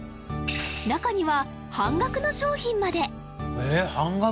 中には半額の商品まで！